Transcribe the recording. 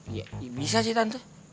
iya bisa sih tante